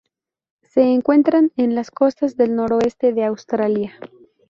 Se encuentran en las costas del noroeste de Australia.